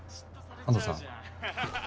安藤さん